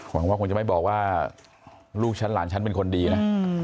หวังว่าคงจะไม่บอกว่าลูกฉันหลานฉันเป็นคนดีนะ